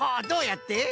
どうやって？